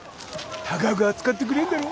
高く扱ってくれんだろ。